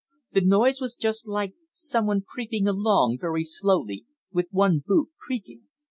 The noise was just like someone creeping along very slowly, with one boot creaking."